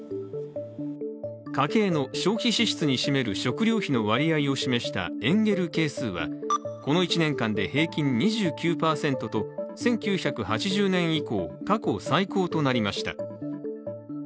家計の消費支出に占める食料費の割合を示したエンゲル係数はこの１年間で平均２９％と１９８０年以降、過去最高となりました。